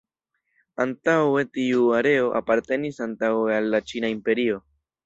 Antaŭe tiu areo apartenis antaŭe al la Ĉina Imperio.